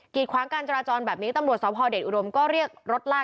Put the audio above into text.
กีดความการจะราจรเจอะแบบนี้ตำรวชเสาภอเดชอุดมก็เรียกรถลาก